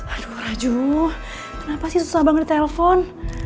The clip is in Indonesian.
aduh raju kenapa sih susah banget telfon